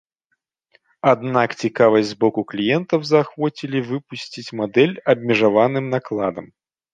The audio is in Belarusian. Аднак цікавасць з боку кліентаў заахвоцілі выпусціць мадэль абмежаваным накладам.